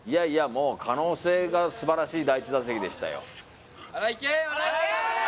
もう可能性がすばらしい第１打席でしたよ